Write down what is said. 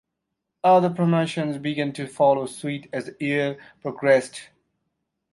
Other promotions began to follow suit as the year progressed.